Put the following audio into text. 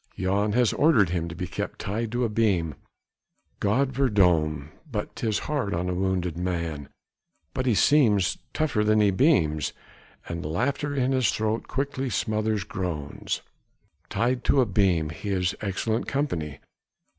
Jan has ordered him to be kept tied to a beam! God verdomme! but 'tis hard on a wounded man, but he seems tougher than the beams, and laughter in his throat quickly smothers groans. Tied to a beam, he is excellent company!